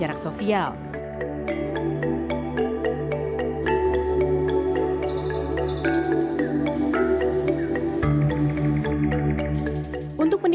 etik tulisan mandoba di